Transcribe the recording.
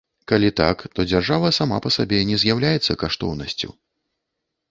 Калі так, то дзяржава сама па сабе не з'яўляецца каштоўнасцю.